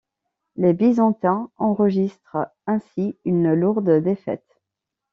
Les Byzantins enregistrent ainsi une lourde défaite.